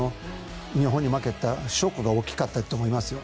日本に負けたショックが大きかったと思いますよ。